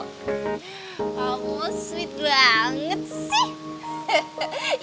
kamu sweet banget sih